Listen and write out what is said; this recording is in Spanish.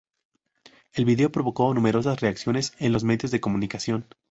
El vídeo provocó numerosas reacciones en los medios de comunicación.